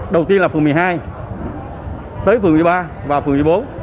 đây là phường một mươi hai tới phường một mươi ba và phường một mươi bốn